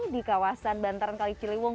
di kawasan bantaran kaliciliwung